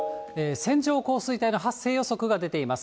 線状降水帯の発生予測が出ています。